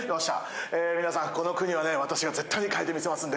みなさんこの国は私が絶対に変えてみせますので。